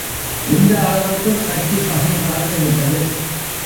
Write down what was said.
இந்த அளவுக்குக் கட்சிப் பகை வளர்ந்துவிட்டது.